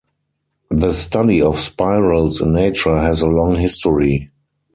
The study of spirals in nature has a long history.